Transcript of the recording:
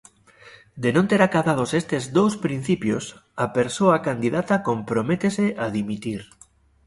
De non ter acadados estes dous principios, a persoa candidata comprométese a dimitir.